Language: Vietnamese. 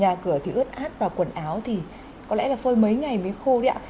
nhà cửa thì ướt át và quần áo thì có lẽ là phơi mấy ngày mới khô đấy ạ